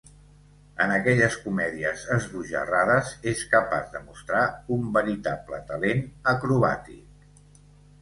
En aquelles comèdies esbojarrades és capaç de mostrar un veritable talent acrobàtic.